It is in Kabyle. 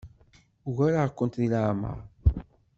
Ugareɣ-kent deg leɛmeṛ.